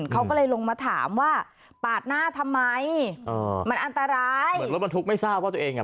เขาก็เลยลงมาถามว่าปาดหน้าทำไมเออมันอันตรายเหมือนรถบรรทุกไม่ทราบว่าตัวเองอ่ะ